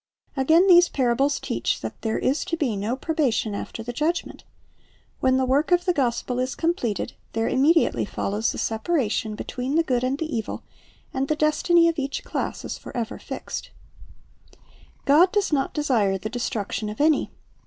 Again, these parables teach that there is to be no probation after the Judgment. When the work of the gospel is completed, there immediately follows the separation between the good and the evil, and the destiny of each class is forever fixed, God does not desire the destruction of any.